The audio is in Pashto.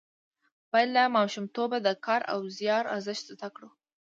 باید له ماشومتوبه د کار او زیار ارزښت زده کړو.